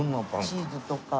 チーズとか。